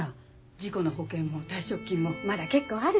事故の保険も退職金もまだ結構あるし。